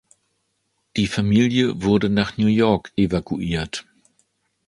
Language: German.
Die Familie wurde nach New York evakuiert.